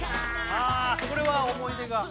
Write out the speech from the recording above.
あこれは思い出が？